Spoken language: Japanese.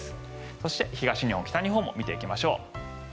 そして、東日本、北日本も見ていきましょう。